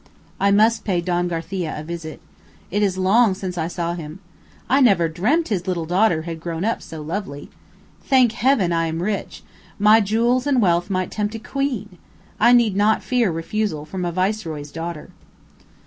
"I must pay Don Garcia a visit. It is long since I saw him. I never dreamt his little daughter had grown up so lovely. Thank Heaven, I am rich! My jewels and wealth might tempt a queen! I need not fear refusal from a viceroy's daughter."